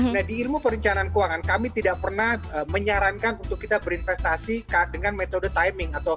nah di ilmu perencanaan keuangan kami tidak pernah menyarankan untuk kita berinvestasi dengan metode timing